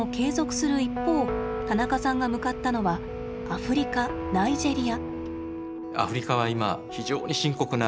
一方田中さんが向かったのはアフリカナイジェリア。